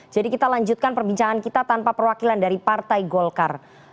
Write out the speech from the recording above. jadi kita lanjutkan perbincangan kita tanpa perwakilan dari partai golkar